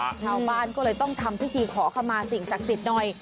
ชาวบ้านก็เลยต้องทำพิธีขอขมาสิ่งศักดิ์สิทธิ์หน่อย